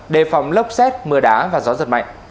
đề phòng lốc xét mưa đá và gió giật mạnh